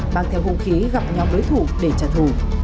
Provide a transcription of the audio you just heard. bằng theo hưu khí gặp nhóm đối thủ để trả thù